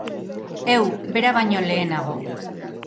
Heu, bera baino lehenago....